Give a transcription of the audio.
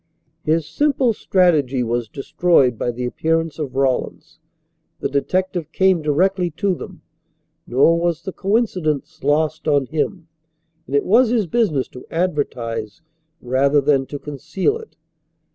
His simple strategy was destroyed by the appearance of Rawlins. The detective came directly to them; nor was the coincidence lost on him, and it was his business to advertise rather than to conceal it.